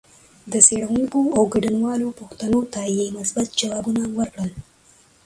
د څېړونکو او ګډونوالو پوښتنو ته یې مثبت ځوابونه ورکړل